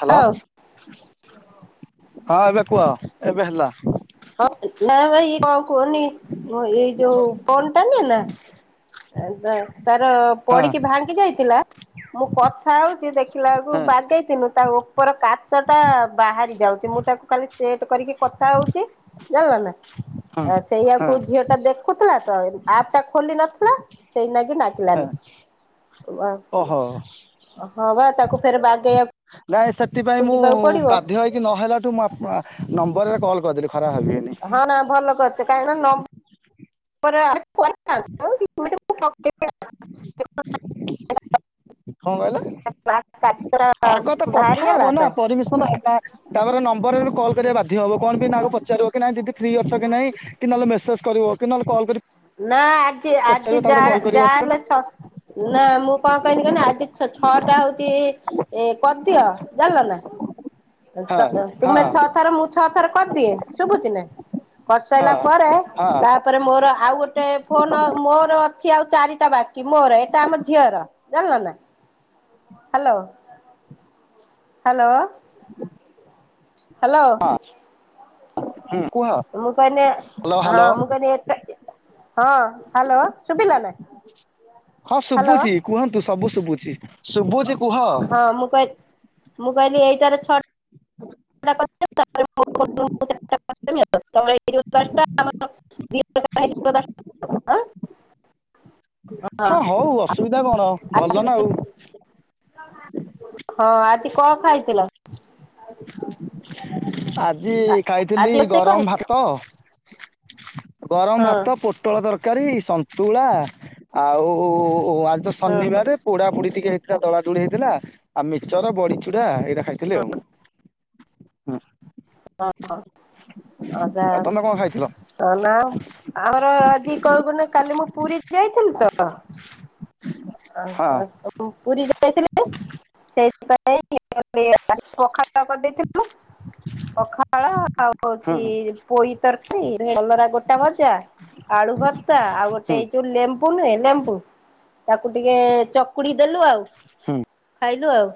Hello ହଉ ହଁ ଏବେ କୁହ ଏବେ ହେଲା। ନାଇ ବା ଇଏ କଣ କୁହନି ଏଇ ଯୋଉ ଫୋନଟା ନୁହେଁ ନା ତାର ହଁ ପଡିକି ଭାଙ୍ଗି ଯାଇଥିଲା ମୁଁ କଥା ହଉଛି ଦେଖି ଦେଖିଲା ବେଳକୁ ହଁ ବାଗେଇଥିନୁ ତା ଉ ଉପର କାଚଟା ବାହାରି ଯାଉଛି ମୁଁ ତାକୁ ଖାଲି ସେଟ୍ କରିକି କଥା ହଉଛି ଜାଣିଲ ନା ହଁ ଆ ହଁ ସେଇଆକୁ ଝିଅଟା ଦେଖୁଥିଲା ତ ଆପ୍ ଟା ଖୋଲି ନଥିଲା ସେଇନାଗି ଛି ହଁ ନାଗିଲାନି ଓହୋ ହଁ ବା ତାକୁ ଫେରେ ବାଗେଇବା ନାଇଁ ସେଥିପାଇଁ ମୁଁ ବାଧ୍ୟ ହେଇକି ନହେଲାଠୁ ମୁଁ ଆପନ୍ ଆ ନମ୍ବରରେ କଲ୍ କରିଦେଲି। ଖରାପ ଭାବିବେନି। ହଁ ନା ଭଲ କରିଛ କାହିଁକି ନା ନମ୍ [unintelligible] ହଁ। କ୍ଲାସ କାଟର ଆଗ ତ ବାହାରି କଥା ଗଲା ହବ ନା ତ ପରମିଶନ ହବା ତାପରେ ନମ୍ବରରୁ କଲ୍ କରିବା ବାଧ୍ୟ ହବ କଣ ପାଇଁ ନା ଆଗ ପଚାରିବ କି ନାଇ ଦିଦି ଫ୍ରି ଅଛ କି ନାହିଁ କି ନହେଲେ ମେସେଜ କରିବ କି ନହେଲେ କଲ୍ କରି ନା ଆଜି ଆଜି ପଚାରିବ ତାପରେ ଯାର କଲ୍ ଯା କରିବ ନା ହେଲେ ଛ ନା ମୁଁ କଣ କହିନି କହି ଆଜି ଛଅଟା ହଉଛି ଏ କରିଦିଅ ଜାଣିଲ ନା ହଁ ହଁ ତୁମେ ଛଅ ଥର ମୁଁ ଛଅ ଥର କରିଦିଏ ଶୁଭୁଛି ନା କରିସାରିଲା ହଁ ପରେ ହଁ ତାପରେ ମୋର ଆଉ ଗୋଟେ ଫୋନ ମୋର ଅଛି ଆଉ ଚାରିଟା ବାକି ମୋର ଏଇଟା ଆମ ଝିଅର ଜାଣିଲ ନା ହ୍ୟାଲୋ ହ୍ୟାଲୋ ହ୍ୟାଲୋ। ହୁଁ କୁହ ମୁଁ କହିଁଲି ହ୍ୟାଲୋ ହଁ ହ୍ୟାଲୋ ମୁଁ କହିନି ହଁ ହ୍ୟାଲୋ ସୁଭିଲା ନା? ହଁ ହ୍ୟାଲୋ ଶୁଭୁଛି କୁହନ୍ତୁ ସବୁ ଶୁଭୁଛି ଶୁଭୁଛି କୁହ। ତ ମୁ କହିଲି ମୁଁ କହିଲି ଏଇଟାରେ ଛ [inaudible] [unintelligible] ମ [unintelligible] ହଁ ହୋଉ ଅସୁବିଧା କଣ ଆଜି ଭଲ ନା ଆଉ। ହଁ ଆଜିି କଣ ଖାଇଥିଲ? ଆଜି ଆ ଆଜି ଖାଇଥିଲି ରୋଷେଇ କଣ ଗରମ ହେଇଥିଲା? ଭାତ ଗରମ ହଁ ଭାତ ପୋଟଳ ତରକାରୀ ସନ୍ତୁଳା ଆଉ ଓ ଆଜି ତ ହଁ ଶନିବାରେ ପୋଡା ପୋଡି ଟିକେ ହେଇଥିଲା ଦଳା ଦୁଳି ହେଇଥିଲା ଆଉ ମିଚର ବଡିଚୁଡା ଟା ଖାଇଥିଲି ଆଉ ହ ହଁ ଅଦ ଆ ଆଉ ତମେ କଣ ଖାଇଥିଲ? କହୁନ ଆମର ଆଜି କହିବୁନି କାଲି ମୁଁ ପୁରୀ ଯାଇଥିଲୁ ତ। ଆ ହଁ ପୁରୀ ଯାଇଥିଲି [inaudible] ସେଇଥିପାଇଁ ପଖାଳ କରିଦେଇଥିଲୁ। ପଖାଳ ଆଉ ହୁଁ ହଉଛି ପୋଇ ତରକାରୀ କଲରା ଗୋଟା ଭଜା ଆଳୁ ଭର୍ତ୍ତା ଆଉ ଗୋଟେ ହୁଁ ଏଇ ଯୋଉ ଲେମ୍ବୁ ନୁହେଁ ଲେମ୍ବୁ ତାକୁ ଟିକେ ଚକୁଡି ଦେଲୁ ଆଉ ହୁଁ ଖାଇଲୁ ଆଉ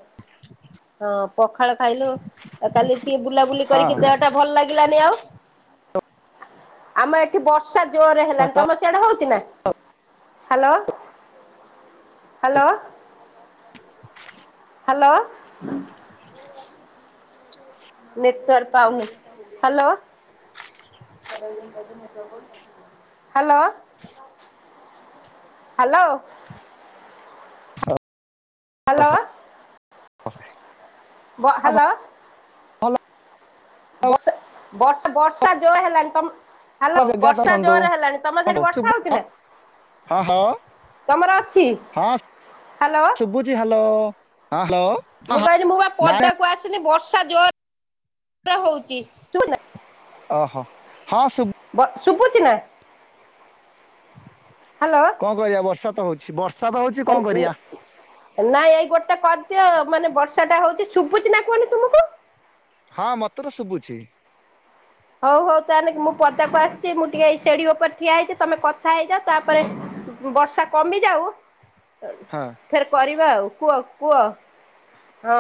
ହଁ। ପଖାଳ ଖାଇଲୁ ଆଉ କାଲି ଟିକେ ବୁଲାବୁଲି ହଁ କରିକି ଦେହ ଭଲ ଲାଗିଲାନି ଆଉ ଆମ ଏଠି ବର୍ଷା ଜୋରରେ ହେଲାଣି ଭାତ ତମେ ସିଆଡ଼େ ହୋଉଛି ନା? Hello hello. ହ୍ୟାଲୋ। ନେଟୱାର୍କ ପାଉନି। Hello hello hello. ହ୍ୟାଲୋ ବ ଆଉ ହ୍ୟାଲୋ। ଭଲ ବର୍ଷା ବର୍ଷା ବର୍ଷା ଯୋରେ ହେଲାଣୀ ତମ ଭଲ ହ୍ୟାଲୋ ଜାଗା ତ ବର୍ଷା ବନ୍ଧୁ ଜୋରରେ ହେଲାଣି। ତମର ହଁ ସେଠି ବର୍ଷା ଶୁଭୁ- ହଉଛି ନା? ହଁ ହଁ ତମର ଅଛି ହ୍ୟାଲୋ। ଜି ହ୍ୟାଲୋ ହଁ ହ୍ୟାଲୋ। ହଁ ମୁଁ ହଁ କହିଲି ମୁଁ ବା ନାଇଁ ପଦାକୁ ଆସିଲି ବର୍ଷା ଜୋରରେ ହୋଉଛି। ଓହୋ ହଁ ସୁବୁ ବ ସୁବୁଛିି ନା ହ୍ୟାଲୋ କଣ କରିବା ବର୍ଷା ତ ହଉଛି ବର୍ଷା ତ ହଉଛି କଣ କରିବା। ନାଇଁ ଏଇ ଗୋଟେ କରିଦିଅ ମାନେ ବର୍ଷା ଟା ହୋଉଛି ଶୁଭୁଛିି ନା କୁହନି ତୁମକୁ? ହଁ ମତେ ତ ଶୁଭୁଛି। ହୋଉ ହୋଉ ତାହେଲେ ମୁଁ ପଦାକୁ ଆସିଛି ମୁଁ ଟିକେ ଏଇ ସେଢି ଉପରେ ଠିଆ ହେଇଛି ତମେ କଥା ହେଇଯାଅ ତାପରେ ବର୍ଷା କମି ଯାଉ ହଁ। ଫେର କରିବା ଆଉ କୁହ କୁହ। ହଁ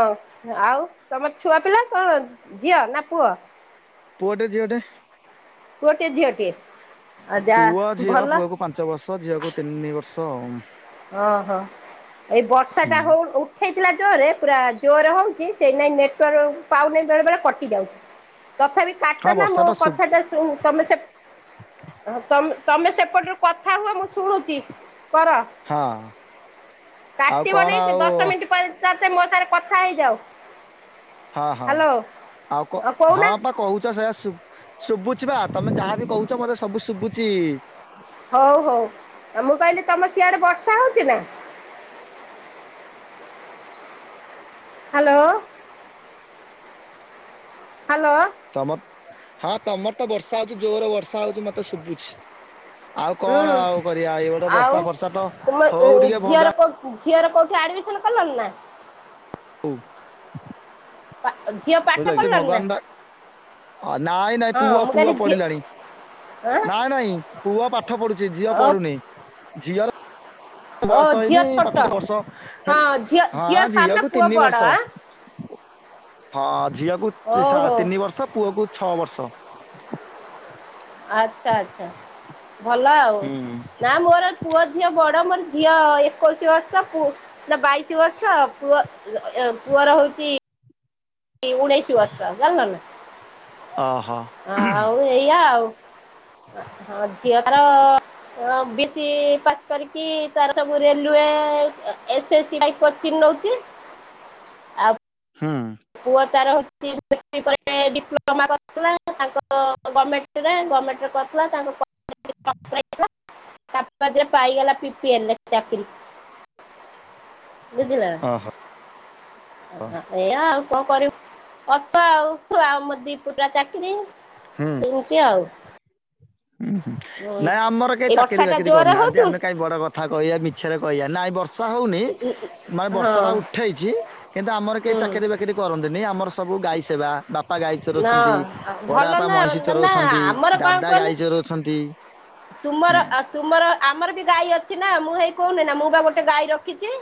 ଆଉ ତମର ଛୁଆ ପିଲା କଣ ଝିଅ ନା ପୁଅ? ପୁଅଟେ ଝିଅଟେ। ପୁଅ ଟିଏ ଝିଅଟିଏ ଆଉ ଯା ପୁଅ ଝିଅ ଭଲ ପୁଅକୁ ପାଞ୍ଚ ବର୍ଷ ଝିଅକୁୁ ତିନି ବର୍ଷ ଆଉ। ଓହୋ ଏଇ ବର୍ଷା ହୁଁ ଟା ହୋଉ ଉ ହେଇଥିଲା ଜୋରରେ ପୁରା ଜୋର ହୋଉଛି ସେଁଇ ନାଗି ନେଟୱର୍କ ପାଉ ନାହିଁ ବେଳେ ବେଳେ କଟି ଯାଉଛି। ତଥାପି ହଁ କାଟ ନା ବର୍ଷା ମୋ ତ ଶୁ କଥାଟା ତମେ ସେ ହ ତମେ ତମେ ସେପଟରୁ କଥା ହୁଅ ମୁଁ ଶୁଣୁଛି କର। ହଁ ଆଉ କାଟିବ କଣ ନାଇ ଆଉ ଦଶ ମିନିଟ୍ ପରେତେ ମୋ ସାଙ୍ଗେ କଥା ହେଇଯାଉ। ହଁ ହଁ ହ୍ୟାଲୋ ଆଉ କ ହଁ ପା କହୁଛ ସେ ସେୟା ସୁୁ ଶୁଭୁଛି ବା ତମେ ଯାହାବି କହୁଛ ମୋତେ ସବୁ ଶୁଭୁଚି। ହଉ ହଉ ଆଉ ମୁଁ କହିଲି ତମ ସିଆଡେ ବର୍ଷା ହଉଛି ନା? Hello hello. ତମ ହଁ ତମର ତ ବର୍ଷା ହଉଛି ଜୋରେ ବର୍ଷା ହଉଛି ମତେ ଶୁଭୁଛି। ଆଉ ହୁଁ କଣ ଆଉ କରିବା ଏଇ ବୋଟେ ଆଉ ବର୍ଷା ଫର୍ଷା ତ ତୁମ ହଉ ଟିକେ ଝିଅର ଭଗା କୋଉ ଝିଅର କୋଉଠି ଆଡ଼ିମିସନ କଲଣି ନା? ହଉ ଝିଅ ପାଠ ବୁଝିଲକି ପଢ଼ିଲାଣି ନା ଭଗବାନଟା ନାଇଁ ନାଇଁ ହଁ ପୁଅ ମୁଁ ପୁଅ କହିଲି ଝିଅ ପଢ଼ିଲାଣି। ଆଁ ନାଇ ନାଇଁ ପୁଅ ପାଠ ପଢୁଛି ଝିଅ ଓ ପଢୁନି ଝିଅର ଓ ବୟସ ଝିଅ ହେଇନି ପାଠ ଛୋଟ ବର୍ଷ ହଁ ହେଲେ ଝିଅ ହଁ ଝିଅ ସାନ ଝିଅକୁ ପୁଅ ତିନି ବଡ଼ ବର୍ଷ। ଆଁ ହଁ ଝିଅକୁ ହଉ ସା ହଉ ତିନି ବର୍ଷ ପୁଅକୁ ଛଅ ବର୍ଷ। ଆଚ୍ଛା ଆଚ୍ଛା ଭଲ ଆଉ ହୁଁ ନା ମୋର। ପୁଅ ଝିଅ ବଡ ମୋର ଝିଅ ଏକୋଇଶି ବର୍ଷ ପୁଅ ନା ବାଇଶି ବର୍ଷ ପୁଅ ପୁଅର ହଉଛି ଉଣେଇଶି ବର୍ଷ ଜାଣିଲ ନା ଅ ହ ଆଉ ଏଇଆ ଆଉ। ହଁ ଝିଅ ତାର ବି ସି ପାସ୍ କରିକି ତା ସବୁ ରେଲୁଏ ଏସ୍ ଏ ସେ ସି ପାଇଁ କୋଚିଂ ନଉଛି। ଆଉ ହୁଁ। ପୁଅ ତାର ହଉଛି ପ ଡିପ୍ଲୋମା କରିଥିଲା ତାଙ୍କ ଗଭର୍ଣ୍ଣମେଣ୍ଟରେ ଗଭର୍ଣ୍ଣମେଣ୍ଟରେ କରିଥିଲା ତାଙ୍କ କ [inaudible] ତାପରେ ପାଇଗଲା ପି ପି ଏଲ୍ ରେ ପାଇଗଲା ଚାକିରି। ଓହୋ ବୁଝିଲନା ଏଇଆ ଆଉ କଣ କରିବି ଅଛ ଆଉ ଆଉ ମ ଦି ପୁରା ଚାକିରି ହୁଁ ଏମିତି ଆଉ ହୁଁ। ନାଇଁ ଆମର କେହି ଏ ଚାକିରି ବର୍ଷାଟା ବାକିରି ଜୋରରେ କରୁନାହାନ୍ତି ହେଉଛି ଆମେ କାଇହିଁ ବଡ଼ କଥା କହିବା ମିଛରେ କହିବା ନାଇଁ। ବର୍ଷା ହଉନି ମାନେ ହଁ ବର୍ଷାଟା ଉଠଇଛି କିନ୍ତୁ ଆମର କେହି ହୁଁ ଚାକିରି ବାକିରି କରନ୍ତିନି ଆମର ସବୁ ଗାଈ ସେବା ବାପା ନା ଗାଈଚରଉଛନ୍ତି ବଡ଼ା ଭଲ ବାପା ନା ମଇଁଷି ନା ଚରଉଛନ୍ତି ଆମର କ'ଣ ଦାଦା କୁହନି ଗାଈ ଚରାଉଛନ୍ତି। ତୁମର ତୁମର ଆମର ବି ଗାଈ ଅଛି ନା ମୁଁ ହେଇ କହୁନି ନା ମୁଁ ବା ଗୋଟେ ଗାଈ ରଖିଛି।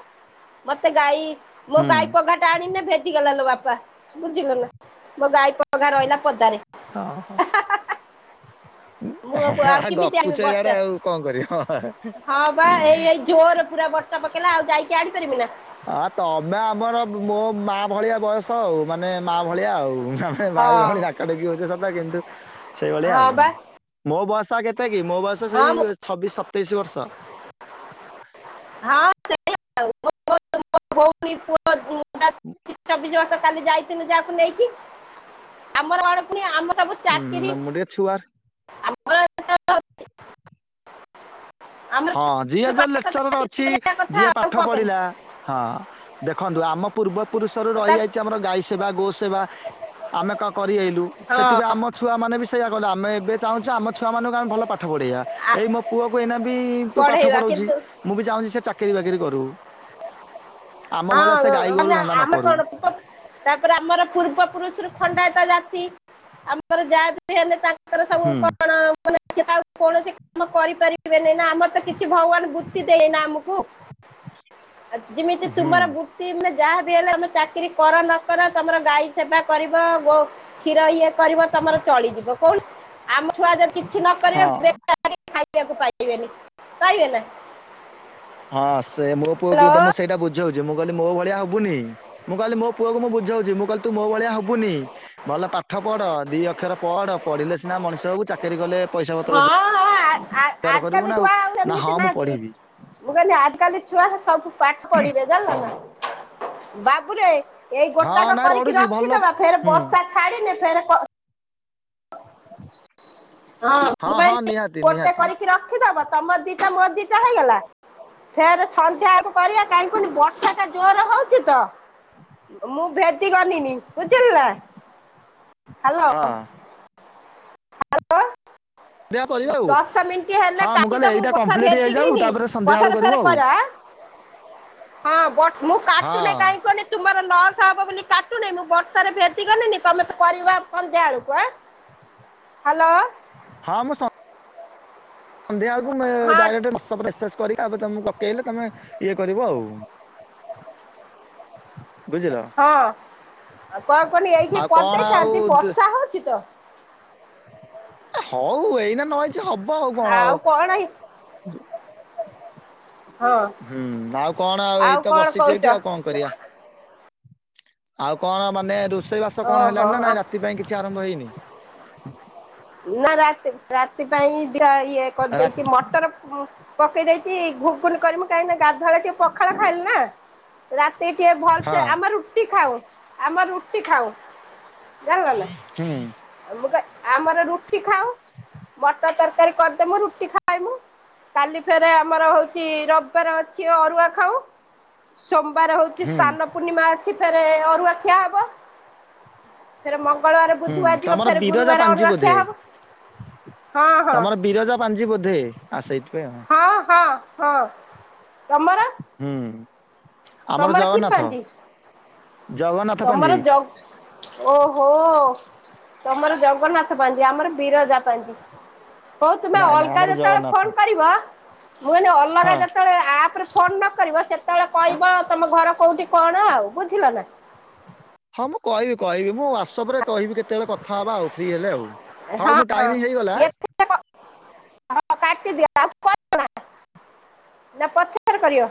ମତେ ଗାଈ ମୋ ହୁଁ ଗାଈ ପଘାଟା ଟାଣିନେ ଭେଜିଗଲା ଲୋ ବାପା ବୁଝିଲ ନା ମୋ ଗାଈ ପଘା ରହିଲା ପଦାରେ। ଓହୋ ମୁଁ ହଁ ଆଉ ହଁ ଆଉ [unintelligible] କେମିତି ଆଣିବି ଗପୁଛେ ଇଆଡେ ବର୍ଷା ଆଉ କଣ କରିବ [unintelligible] ହଁ ବା ଏଇ ଏଇ ଜୋର ପୁରା ବର୍ଷା ପକେଇଲା ଆଉ ଯଇକି ଆଣିପାରିମି ନା ଆ ତମେ ଆମର ମୋ ମା ଭଳିଆ ବୟସ ଆଉ ମାନେ ମା ଭଳିଆ ଆଉ। ଆମେ ଭାଇ ହଁ ଭଉଣୀ ଡାକା ଡୁକି ହଉଛେ ସତ କିନ୍ତୁ ସେଇଭଳିଆ। ହଁ ବା ମୋ ବୟସ ଆ କେତେ କି ମୋ ବୟସ ହଁ ସେଇ ମୁଁ ଛବିଶି ସତେଇଶି ବର୍ଷ। ହଁ ସେଇ [unintelligible] ଚ ଚବିଶି ବର୍ଷ କାଲି ଯାଇଥିଲୁ ଯେ ୟାକୁ ନେଇକି ଆମର ପୁଣି ଆମ ସବୁ ଚାକିରି ହୁଁ ମୁଁ ଟିକେ ଛୁଆ ଆମର ହଁ ଯିଏ ଆମର ଯୋଉ ପାଠ ଲେକ୍ଚରର ଚାକିରି ଅଛି କରିବା କଥା ଯିଏ ଆଉ ପାଠ କଣ ପଢିଲା କରିବି ହଁ ଦେଖନ୍ତୁ ଆମ ପୂର୍ବ ପୁରୁଷରୁ ରଇ ତା ଆଇଛି ଆମର ଗାଈ ସେବା ଗୋ ସେବା ଆମେ କ କରି ହେଇଲୁ ହଁ ସେଥିପାଇଁ ଆମ ପୂ ଛୁଆ ମାନେ ବି ସେଇଆ କଲେ ଆମେ ଏବେ ଚାହୁଁଚୁ ଆମ ଛୁଆମାନଙ୍କୁ ଆମେ ଭଲ ପାଠ ପଢେଇଆ ଆ- ଏଇ ମୋ ପୁଅକୁ ଏଇନା ବି ପି ପାଠ ପଢେଇବା ପଢଉଛି କିନ୍ତୁ ମୁଁ ବି ଚାହୁଁଛି ସେ ଚାକିରି ବାକିରି କରୁ। ଆମ ଅ ଭଳିଆ ସେ ଗାଈ ଗୋରୁ ମାନେ ଧନ୍ଦା ନ ଆମେ କରୁ କଣ ପୁଟ ତାପରେ ଆମର ପୂର୍ବ ପୁରୁଷରୁ ଖଣ୍ଡାୟତ ଜାତି ଆ ତାର ଯାହା ବି ହେଲେ ତାଙ୍କର ସବୁ ହୁଁ। କଣ ମାନେ ଆଉ କୌଣସି କାମ କରିପାରିବେନି ନା ଆମର ତ କିଛି ଭଗବାନ ବୃତ୍ତି ଦେଇନା ଆମକୁ। [inaudible] ଜିମିତି ହୁଁ। ତୁମର ବୁ ତି ଯାହାବି ହେଲେ ତମେ ଚାକିରି କର ନ କର ତମର ଗାଈ ସେବା କରିବ ଗୋ କ୍ଷୀର ଇଏ କରିବ ତମର ଚଳିଯିବ କହୁନ ଆମ ଛୁଆ ଯକି କିଛି ନ କରିବେ ହଁ ବେକା ଖାଇବାକୁ ପାଇବେନି ପାଇବେ ନା। ହଁ ସେ ମୋ ପୁଅକୁ ହ୍ୟାଲୋ ତ ମୁଁ ସେଇଟା ବୁ ଝଉଛି ମୁଁ କଇଲି ମୋ ଭଳିଆ ହବୁନି ମୁଁ କଇଲି ମୋ ପୁଅକୁ ମୁଁ ବୁଝଉଛି ମୁଁ କଇଲି ତୁ ମୋ ଭଳିଆ ହବୁନି। ଭଲ ପାଠ ପଡ ଦି ଅକ୍ଷର ପଡ ପଡିଲେ ସିନା ମଣିଷ ହବୁ ଚାକିରି କଲେ ପଇସା ପତ୍ର ଯା ଆ ତ ଦେଖିବା ଆଉ ନା ସେମିତି ହଁ ମୁଁ ନାନ୍ତି। ପଢିବି ମୁଁ କହିଲି ଆଜ କାଲି ଛୁଆ ସବୁ ପାଠ ପଢିବେ ଜାଣିଲ ହଁ ନା ବାବୁରେ। ଏଇ ହଁ ଗୋଟାକ ନାଇଁ କରିକି ପଢୁଛି ଭଲ ରଖିଦବା ଫେରେ ହୁଁ। ବର୍ଷା ଛାଡିନେ ଫେରେ କ [inaudible] ହଁ ମୁଁ ହଁ କଇଲି ଏଇ ନିହାତି ଗୋଟେ ନିହାତି। କରିକି ରଖିଦବ ତମର ଦିଟା ମୋର ଦିଟା ହେଇଗଲା। ଫେରେ ସନ୍ଧ୍ୟା ଆଳକୁ କରିବା କାଇଁ କହନି ବର୍ଷା ଟା ଜୋର ହଉଛି ତ। ମୁଁ ଭେଦି ଗଲିନି ବୁଝିଲୁ ନା ହ୍ୟାଲୋ। ହଁ ଏଇଆ କରିଆ ଆଉ ଦଶ ମିନିଟ୍ ହେଲେ ହଁ ମୁଁ କାଟି ତ କହିଲି ଏଇଟା ବର୍ଷାରେ କମ୍ପ୍ଲିଟ ଭେଦି ହେଇଯାଉ ଗଲିନି ତାପରେ ସନ୍ଧ୍ୟା ଅଳୁ ପଛରେ ଫେର କରିବୁ ଆଉ। କରିବା ଆଁ? ହଁ ବଟ ମୁଁ କାଟୁନି ହଁ। କାଇଁ କୁହନି? ତୁମର ଲସ ହବ ବୋଲି କାଟୁନି ମୁଁ ବର୍ଷାରେ ଭେଦି ଗଲିନି ତମେ କରିବ ସନ୍ଧ୍ୟା ଆଳକୁ ଆଁ। [inaudible] ହାଲୋ। ହଁ ମୁଁ ସ ନ୍ଧ୍ୟାଏଳକୁ ମୁ ହଁ ଡାଇରେକ୍ଟ ୱାଟ୍ସଅପ୍ ରେ ମେସେସ କରିକି ଆ ତମକୁ ପକେଇଲେ ତମେ ଇଏ କରିବ ଆଉ। ବୁଝିଲ। ହଁ ଆଉ କଣ କନି ଏଇଠି ଆଉ କଣ ଆଉ କରିଦେଇଥାନ୍ତି ବର୍ଷା ହଉଛି ତ। ହଉ ଏଇନା ନ ହେଇଛି ହବ ଆଉ କଣ। ହଁ ହୁଁ ଆଉ କଣ ଆଉ ଏଇତ କଣ ବସିଛି କହୁଛ ଏଠି ଆଉ କଣ କରିଆ। ଆଉ କଣ ମାନେ ରୋଷେଇ ବାସ କଣ ଓହୋ ହେଲାଣି ନା ନାଇଁ ରାତି ପାଇଁ କିଛି ଆରମ୍ଭ ହେଇନି। ନା ରାତି ରାତି ପାଇଁ ଜ ଏଇ ରା ହୁଁ କରିଦେଇଚି ମଟର। ପକେଇ ଦେଇଛି ଘୁଗୁନି କରିମି କାହିଁକି ନା ଗାଧୁଆ ବେଳେ ଟିକେ ପଖାଳ ଖାଇଲି ନା। ରାତିକି ଟିକେ ଭଲସେ ଆମ ରୁଟି ଖାଉ ଆମ ରୁଟି ଖାଉ। ଜାଣିଲ ନା ମୁଁ କ ଆମର ରୁଟି ଖାଉ। ମଟର ତରକାରୀ କରିଦମୁ ରୁଟି ଖାଏ ମୁୁ। କାଲି ଫେରେ ଆମର ହଉଛି ରବିବାର ଅଛି ଅରୁଆ ଖାଉ। ସୋମବାର ହଉଛି ହୁଁ ସ୍ଥାନ ପୂର୍ଣ୍ଣିମା ଅଛି ଫେରେ ଅରୁଆ ଖିଆ ହବ ଫେରେ ମନ୍ ଙ୍ଗଳବାର ହୁଁ। ବୁଧବାର ଯିବ ତମର ଫେର ବିରଜା ଗୁରୁବାର ପାଞ୍ଜି ଅୁରୁଆ କ୍ଷା ବୋଧେ? ହବ ହଁ ହଁ। ତମର ବିରଜା ପାଞ୍ଜି ବୋଧେ ଆସ ସେଇଥି ପାଇଁ ହଁ ହଁ ହଁ ତମର? ହୁଁ ଆମର ତମର କି ଜଗନ୍ନାଥ ପାଞ୍ଜି ଜଗନ୍ନାଥ। ତମର ପାଞ୍ଜି ଜଗ ଓହୋ। ତମର ଜଗନ୍ନାଥ ପାଞ୍ଜି ଆମର ବିରଜା ପାଞ୍ଜି। ହଉ ତୁମେ ନାଇଁ ନାଇଁ ଅଲଗା ଆମର ଯେତେବେଳେ ଜଗନ୍ନାଥ ଫୋନ କରିବ ମୁଁ ଅଲଗା ହଁ ଜ ସେତଳେ ଆପ ରେ ଫୋନ ନକିରିବ ସେତଳେ କଇବ ତମ ଘର କୋଉଠି କଣ ଆଉ ବୁଝିଲ ନା। ହଁ ମୁଁ କଇବି କଇବି ମୁଁ ୱାସପ ରେ କହିବି କେତବେଳେ କଥା ଅବା ଆଉ ଫ୍ରି ହେଲେ ଆଉ। ହଁ ହଉ ମୁଁ ଟାଇମ ହେଇଗଲା ହଁ [unintelligible] କାଟିଦିଅ [unintelligible] ନା ପଛରେ କରିବ?